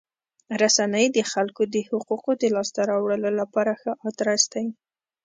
رسنۍ د خلکو د حقوقو د لاسته راوړلو لپاره ښه ادرس دی.